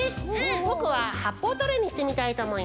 ぼくははっぽうトレーにしてみたいとおもいます。